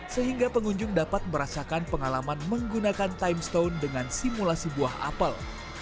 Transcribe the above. sehingga pengunjung dapat merasakan pengalaman menggunakan times stone dengan simulasi buah apel